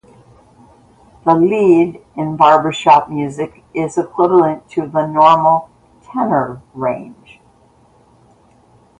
The "lead" in barbershop music is equivalent to the normal tenor range.